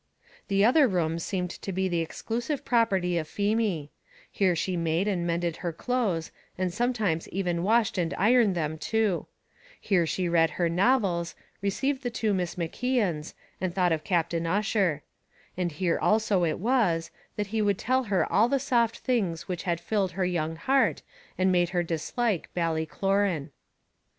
The other room seemed to be the exclusive property of Feemy; here she made and mended her clothes, and sometimes even washed and ironed them too; here she read her novels, received the two Miss McKeons, and thought of Captain Ussher; and here also it was, that he would tell her all the soft things which had filled her young heart, and made her dislike Ballycloran.